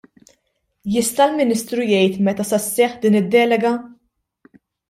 Jista' l-Ministru jgħid meta se sseħħ din id-delega?